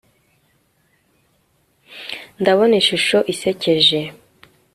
ndabona ishusho isekeje